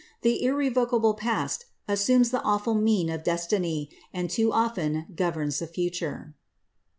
The irrevocable past assumes the awful mien of da tiny, and too oAen governs the future.